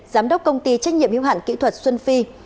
giám đốc công ty trách nhiệm hữu hạn kỹ thuật xuân phi